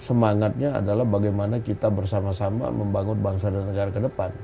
semangatnya adalah bagaimana kita bersama sama membangun bangsa dan negara ke depan